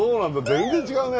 全然違うね。